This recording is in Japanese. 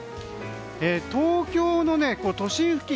東京の都心付近